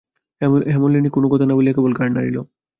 হেমনলিনী কোনো কথা না বলিয়া কেবল ঘাড় নাড়িল।